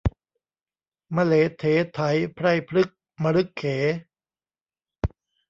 มะเหลไถไพรพรึกมะรึกเข